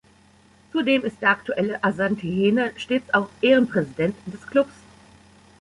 Zudem ist der aktuelle Asantehene stets auch Ehrenpräsident des Klubs.